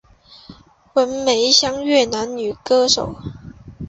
文梅香越南女歌手。